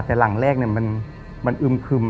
แต่หลังแรกมันอึมคึม